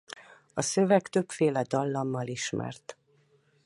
A szöveg többféle dallammal ismert.